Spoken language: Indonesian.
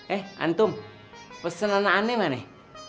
eh antum pesen aneh aneh mah nih